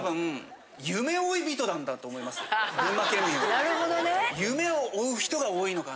なるほどね。